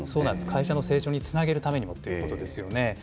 会社の成長につなげるためにもということですよね。